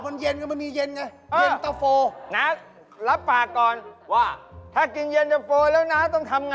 กินเย็นนอกจากเย็นตะโฟก็สัก๕๖โมง